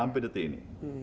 sampai detik ini